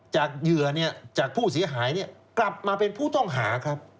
เหยื่อจากผู้เสียหายกลับมาเป็นผู้ต้องหาครับ